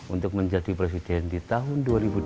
untuk menjadi presiden di tahun dua ribu dua puluh